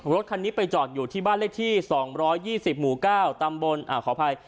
รถคันนี้ไปจอดอยู่ที่บ้านเลขที่๒๒๐หมู่๙ตำบลขออภัย